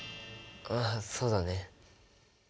あっそうだね。